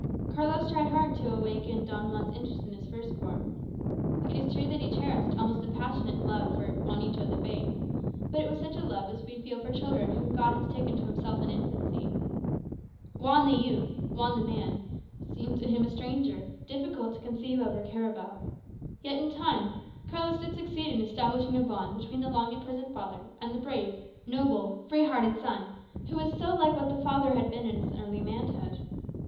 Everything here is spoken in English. Carlos tried hard to awaken Don Juan's interest in his first born. It is true that he cherished an almost passionate love for Juanito the babe, but it was such a love as we feel for children whom God has taken to himself in infancy. Juan the youth, Juan the man, seemed to him a stranger, difficult to conceive of or to care about. Yet, in time, Carlos did succeed in establishing a bond between the long imprisoned father and the brave, noble, free hearted son, who was so like what that father had been in his early manhood.